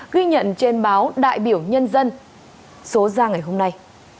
ghi nhận trên báo đại biểu nhân dân số ra ngày hôm nay